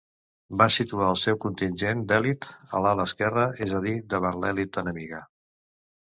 Va situar el seu contingent d'elit a l'ala esquerra, és a dir, davant l'elit enemiga.